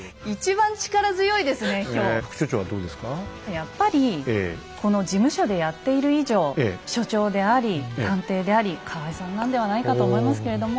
やっぱりこの事務所でやっている以上所長であり探偵であり河合さんなんではないかと思いますけれども。